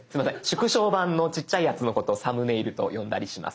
縮小版のちっちゃいやつのことを「サムネイル」と呼んだりします。